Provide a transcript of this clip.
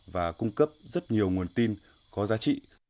và cung cấp rất nhiều nguồn tin có giá trị